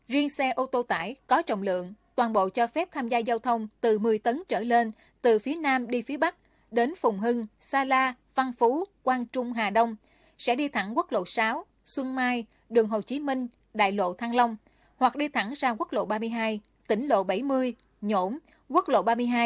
riêng xe ô tô tải có trọng lượng toàn bộ cho phép tham gia giao thông từ một mươi tấn trở lên từ phía nam đi phía bắc đến phùng hưng sa la văn phú quang trung hà đông sẽ đi thẳng quốc lộ sáu xuân mai đường hồ chí minh đại lộ thăng long hoặc đi thẳng sang quốc lộ ba mươi hai tỉnh lộ bảy mươi nhổn quốc lộ ba mươi hai